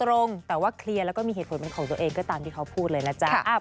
ตรงแต่ว่าเคลียร์แล้วก็มีเหตุผลเป็นของตัวเองก็ตามที่เขาพูดเลยนะจ๊ะ